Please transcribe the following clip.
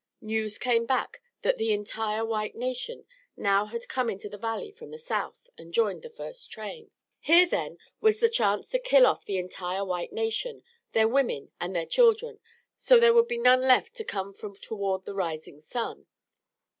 News came back that the entire white nation now had come into the valley from the south and joined the first train. Here then was the chance to kill off the entire white nation, their women and their children, so there would be none left to come from toward the rising sun!